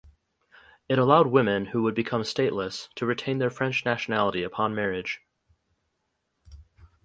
It allowed women who would become stateless to retain their French nationality upon marriage.